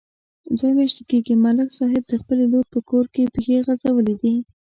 دوه میاشتې کېږي، ملک صاحب د خپلې لور په کور کې پښې غځولې دي.